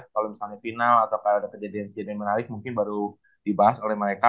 kalau misalnya final atau ada kejadian kejadian menarik mungkin baru dibahas oleh mereka